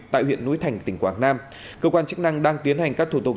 tại huyện núi thành tỉnh quảng nam cơ quan chức năng đang tiến hành các thủ tục